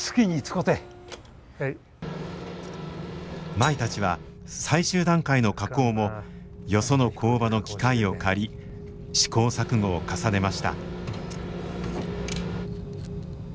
舞たちは最終段階の加工もよその工場の機械を借り試行錯誤を重ねました。